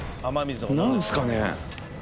何すかね。